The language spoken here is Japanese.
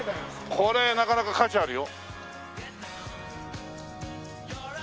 これなかなか価値あるよ。